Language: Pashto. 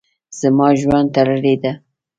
زما ژوند تړلی ده.